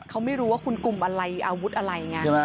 เขาไม่รู้ว่าคุณกลุ่มอะไรอาวุธอะไรไง